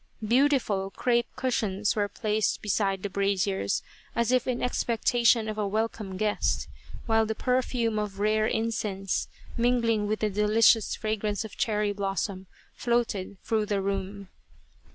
Beautiful crepe cushions were placed be side the braziers, as if in expectation of a welcome guest ; while the perfume of rare incense, mingling with the delicious fragrance of cherry blossom, floated through the room.